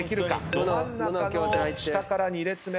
ど真ん中の下から２列目。